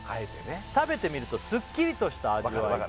「食べてみるとすっきりとした味わいで」